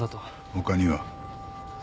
他には。